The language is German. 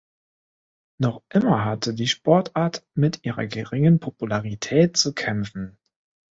Noch immer hatte die Sportart mit ihrer geringen Popularität zu kämpfen.